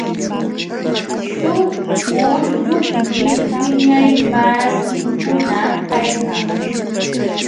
Suquyuqmi wiñaymasiikuna kaykan.